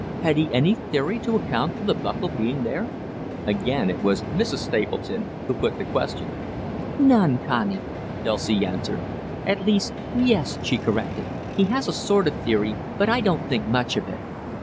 Has he any theory to account for the buckle being there?" Again it was Mrs. Stapleton who put the question. "None, Connie," Dulcie answered. "At least, yes," she corrected, "he has a sort of theory, but I don't think much of it.